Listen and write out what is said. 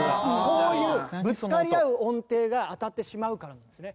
こういうぶつかり合う音程が当たってしまうからなんですね。